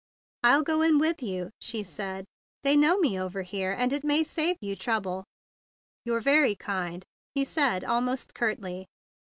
"I'll go in with you," she said. "They know me over here, and it may save you trouble." "You're very kind," he said almost curtly.